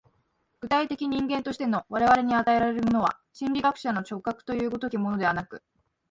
具体的人間としての我々に与えられるものは、心理学者の直覚という如きものではなく、